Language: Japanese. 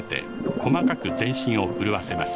細かく全身を震わせます。